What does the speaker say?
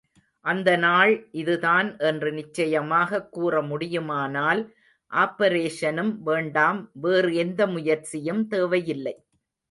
அந்த நாள் இதுதான் என்று நிச்சயமாகக் கூறமுடியுமானால் ஆப்பரேஷனும் வேண்டாம், வேறு எந்த முயற்சியும் தேவையில்லை.